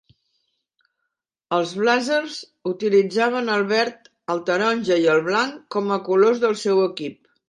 Els Blazers utilitzaven el verd, el taronja i el blanc com a colors del seu equip.